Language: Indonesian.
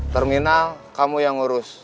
terminal kamu yang ngurus